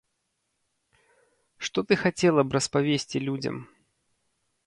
Што ты хацела б распавесці людзям?